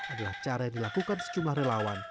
adalah cara yang dilakukan sejumlah relawan